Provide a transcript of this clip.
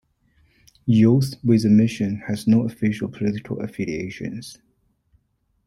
Youth with A Mission has no official political affiliations.